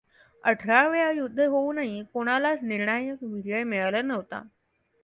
अठरावेळा युद्ध होऊनहि कोणालाच निर्णायक विजय मिळाला नव्हता.